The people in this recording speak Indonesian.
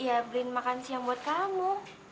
ya berin makan siang buat kamu